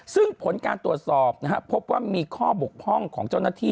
ซึ่งผลการตรวจสอบพบว่ามีข้อบุคธรรมของเจ้านัทที่